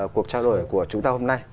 cuộc trao đổi của chúng ta hôm nay